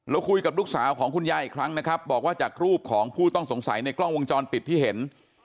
คุยกับลูกสาวของคุณยายอีกครั้งนะครับบอกว่าจากรูปของผู้ต้องสงสัยในกล้องวงจรปิดที่เห็น